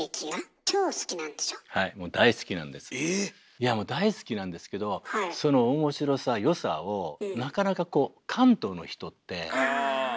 いやもう大好きなんですけどその面白さ良さをなかなかこう関東の人ってやっぱり何だろう